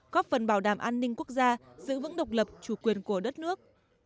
góp phần bảo đảm an ninh quốc gia giữ vững độc lập chủ quyền của đất nước